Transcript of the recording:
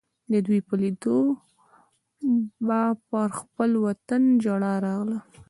د دوی په لیدو به پر خپل وطن ژړا راغله.